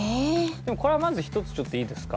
でもこれはまず１つちょっといいですか？